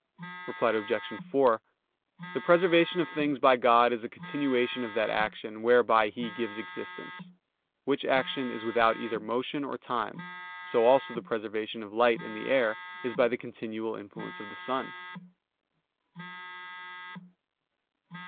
Reply Obj. 4: The preservation of things by God is a continuation of that action whereby He gives existence, which action is without either motion or time; so also the preservation of light in the air is by the continual influence of the sun.